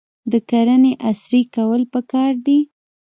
د کرنې عصري کول پکار دي.